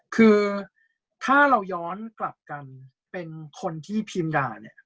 คือถ้าเราย้อนกลับกันเป็นคนที่พิมด่าเนี่ย